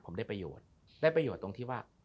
ผมได้ประโยชน์ได้ประโยชน์ตรงที่ว่า